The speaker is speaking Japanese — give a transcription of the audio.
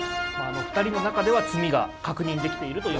２人の中では詰みが確認できていると。